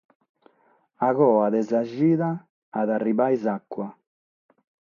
A coa de sa chida at a arribare s'abba.